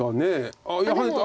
ああいやハネた。